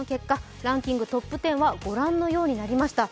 ランキングトップ１０はご覧のようになりました。